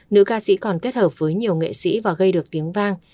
nữ ca sĩ còn kết hợp với nhiều nghệ sĩ và gây được tiếng vang